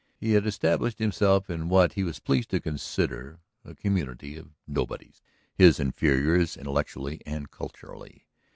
He had established himself in what he was pleased to consider a community of nobodies, his inferiors intellectually and culturally.